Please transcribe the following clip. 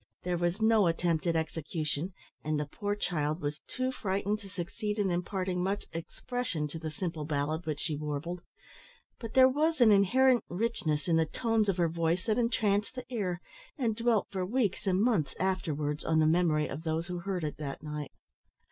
There was no attempt at execution, and the poor child was too frightened to succeed in imparting much expression to the simple ballad which she warbled; but there was an inherent richness in the tones of her voice that entranced the ear, and dwelt for weeks and months afterwards on the memory of those who heard it that night.